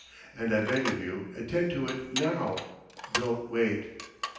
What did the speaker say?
And I beg of you, attend to it now, don't wait."